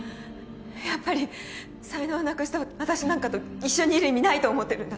やっぱり才能をなくした私なんかと一緒にいる意味ないと思ってるんだ